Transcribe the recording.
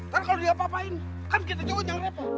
kalau dia apa apain kan kita coba jangan repot